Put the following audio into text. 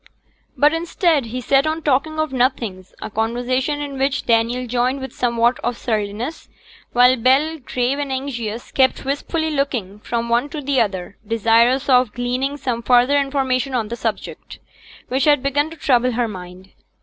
But, instead, he sat on talking of nothings, a conversation in which Daniel joined with somewhat of surliness, while Bell, grave and anxious, kept wistfully looking from one to the other, desirous of gleaning some further information on the subject, which had begun to trouble her mind.